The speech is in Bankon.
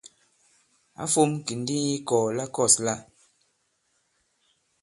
Ǎ fōm kì ndī i ikɔ̀ɔ̀ la kɔ̂s lā.